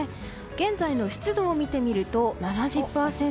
現在の湿度を見てみると７０％。